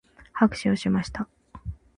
拍手をしました。